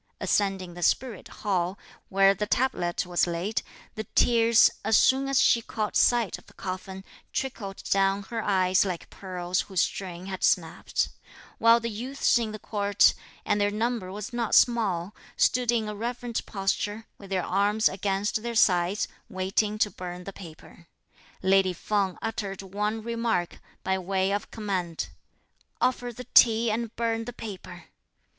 Ascending the Spirit Hall, where the tablet was laid, the tears, as soon as she caught sight of the coffin, trickled down her eyes like pearls whose string had snapped; while the youths in the court, and their number was not small, stood in a reverent posture, with their arms against their sides, waiting to burn the paper. Lady Feng uttered one remark, by way of command: "Offer the tea and burn the paper!"